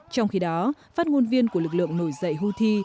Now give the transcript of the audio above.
trong khi đó phát ngôn viên của lực lượng nổi dậy houthi